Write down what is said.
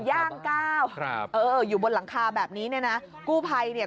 ยากก้าวครับอยู่บนหลังคาแบบนี้แนนะกุไพแนะ